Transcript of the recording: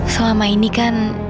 selama ini kan